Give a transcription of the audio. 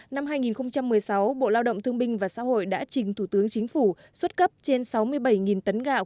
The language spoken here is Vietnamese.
năm hai nghìn một mươi sáu bộ lao động thương binh và xã hội đã trình thủ tướng chính phủ xuất cấp trên sáu mươi bảy tấn gạo